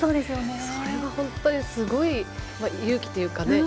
それは本当にすごい勇気というか。